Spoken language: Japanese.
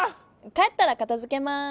帰ったらかたづけます！